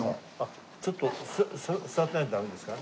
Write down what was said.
ちょっと座ってないとダメですか？